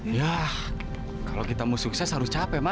yah kalau kita mau sukses harus capek ma